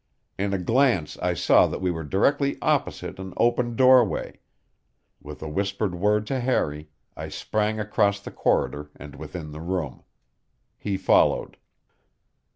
In a glance I saw that we were directly opposite an open doorway; with a whispered word to Harry I sprang across the corridor and within the room. He followed.